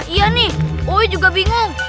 iya nih ui juga bingung